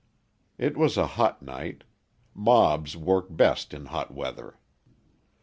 It was a hot night; mobs work best in hot weather.